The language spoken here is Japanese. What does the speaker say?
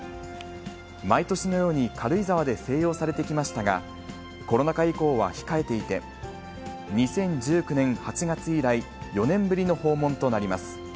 毎年のように軽井沢で静養されてきましたが、コロナ禍以降は控えていて、２０１９年８月以来４年ぶりの訪問となります。